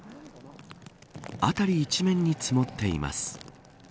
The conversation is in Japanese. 辺り一面に積もっています。